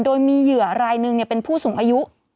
โดยมีเหยื่อรายหนึ่งเป็นผู้สูงอายุ